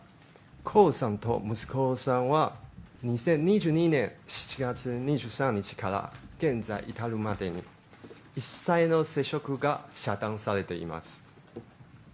江さんと息子さんは２０２２年７月２３日から現在に至るまでに、一切の接触が遮断されています。